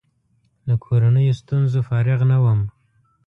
له کورنیو ستونزو فارغ نه وم.